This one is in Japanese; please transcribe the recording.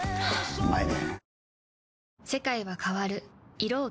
うまいねぇ。